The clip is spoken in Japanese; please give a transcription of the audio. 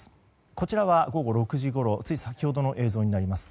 こちらは午後６時ごろつい先ほどの映像になります。